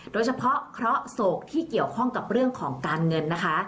โดยเฉพาะเคราะห์โศกที่เกี่ยวข้องกับเรื่องของการเงินนะคะ